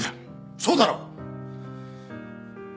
そうだろ？